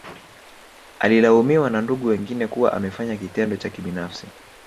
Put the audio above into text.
Alilaumiwa na ndugu wengine kuwa amefanya kitendo cha kibinafsi